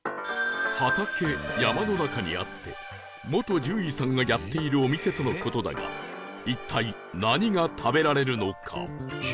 畑山の中にあって元獣医さんがやっているお店との事だが一体何が食べられるのか？